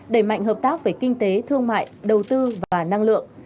đẩy mạnh hợp tác về kinh tế thương mại đầu tư và năng lượng